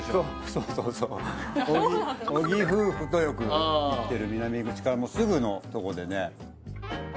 そうそうそう小木夫婦とよく行ってる南口からもうすぐのとこでね